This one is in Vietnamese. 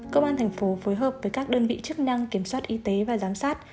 công an tp phối hợp với các đơn vị chức năng kiểm soát y tế và giám sát